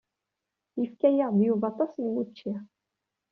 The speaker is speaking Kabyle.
Yefka-yaɣ-d Yuba aṭas n wučči.